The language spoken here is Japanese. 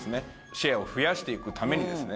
シェアを増やしていくためにですね